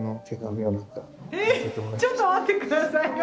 えちょっと待って下さいよ。